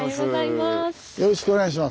よろしくお願いします。